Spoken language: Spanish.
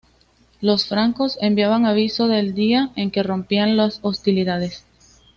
Los francos enviaban aviso del día en que rompían las hostilidades.